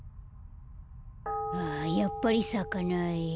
あやっぱりさかない。